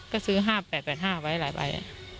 ก็ซื้อ๕๘๘๕ไว้ไว้